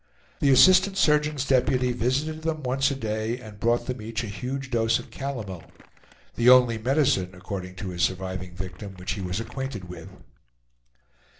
The assistant surgeon's deputy visited them once a day and brought them each a huge dose of calomel, the only medicine, according to his surviving victim, which he was acquainted with.